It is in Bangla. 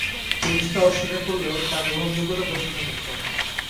পুলিশ তা অস্বীকার করলেও তার গ্রহণযোগ্যতা প্রশ্নসাপেক্ষ।